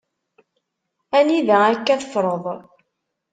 Anida akk-a teffreḍ?